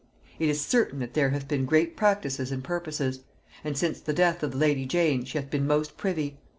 It is certain that there hath been great practices and purposes; and since the death of the lady Jane she hath been most privy.